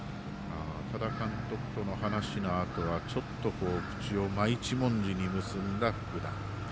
多田監督との話のあとはちょっと、口を真一文字に結んだ福田。